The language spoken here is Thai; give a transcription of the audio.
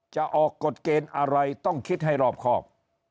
จะออกกฎเกณฑ์อะไรต้องคิดให้รอบครอบ